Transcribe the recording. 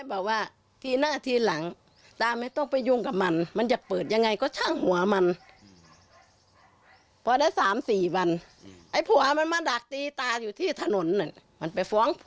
เออเอาสรุปแล้วจริงแล้วมันเหมือนก็